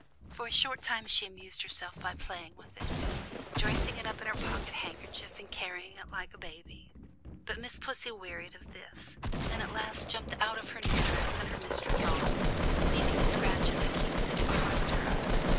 For a short time she amused herself by playing with it, dressing it up in her pocket handkerchief and carrying it like a baby; but Miss Pussy wearied of this, and at last jumped out of her new dress and her mistress' arms, leaving a scratch as a keepsake behind her.